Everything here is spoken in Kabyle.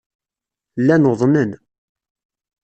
Llan uḍnen.